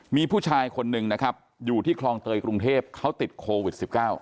มีผู้ชายคนหนึ่งนะครับอยู่ที่คลองเตยกรุงเทพเขาติดโควิด๑๙